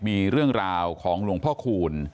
มีเรื่องราวของหลวงพ่อคูณ